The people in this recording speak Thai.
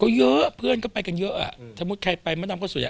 ก็เยอะเพื่อนก็ไปกันเยอะอ่ะสมมุติใครไปมะดำก็สวยอ่ะ